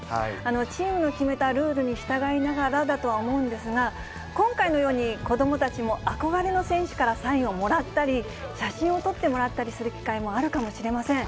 チームの決めたルールに従いながらだとは思うんですが、今回のように、子どもたちも憧れの選手からサインをもらったり、写真を撮ってもらったりする機会もあるかもしれません。